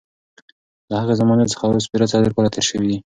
له هغې زمانې څخه اوس پوره څلور کاله تېر شوي دي.